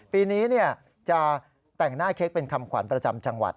ปีนี้จะแต่งหน้าเค้กเป็นคำขวัญประจำจังหวัด